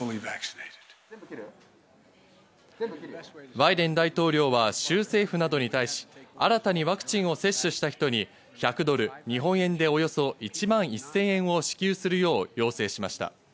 バイデン大統領は州政府などに対し、新たにワクチンを接種した人に１００ドル、日本円でおよそ１万１０００円を支給するよう要請しました。